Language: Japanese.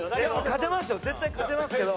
勝てますよ絶対勝てますけど。